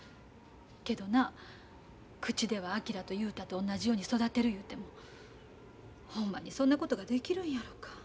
けどな口では昭と雄太と同じように育てる言うてもほんまにそんなことができるんやろか。